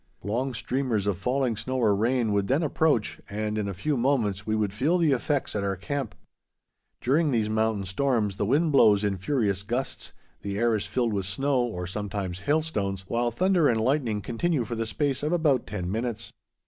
Long streamers of falling snow or rain would then approach, and in a few moments we would feel the effects at our camp. During these mountain storms the wind blows in furious gusts, the air is filled with snow or sometimes hailstones, while thunder and lightning continue for the space of about ten minutes.